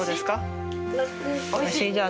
おいしい？